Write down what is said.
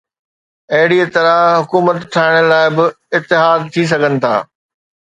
اهڙي طرح حڪومت ٺاهڻ لاءِ به اتحاد ٿي سگهن ٿا.